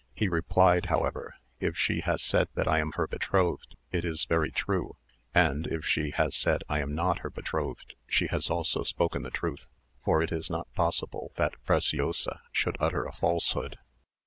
He replied, however, "If she has said that I am her betrothed, it is very true; and, if she has said I am not her betrothed, she has also spoken the truth; for it is not possible that Preciosa should utter a falsehood."